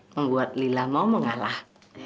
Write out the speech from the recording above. membuat lila mau mengalah